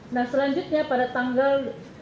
nah selanjutnya pada tanggal